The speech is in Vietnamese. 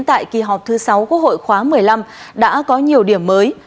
tại kỳ họp thứ sáu quốc hội khóa một mươi năm đã có nhiều điểm mới